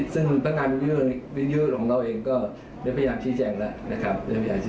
ซึ่งพระงานวิวิยุของเราเองก็ได้พยายามชี้แจ้งแล้ว